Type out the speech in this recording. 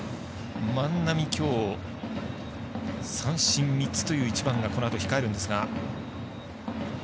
万波、きょう三振３つという１番がこのあと控えるんですが。